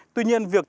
tuy nhiên việc